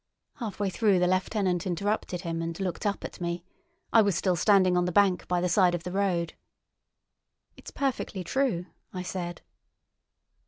Halfway through, the lieutenant interrupted him and looked up at me. I was still standing on the bank by the side of the road. "It's perfectly true," I said.